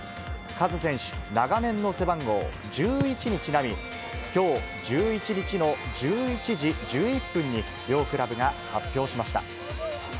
カズ選手、長年の背番号、１１にちなみ、きょう１１日の１１時１１分に、両クラブが発表しました。